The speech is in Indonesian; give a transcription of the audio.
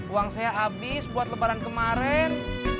uang saya habis buat lebaran kemarin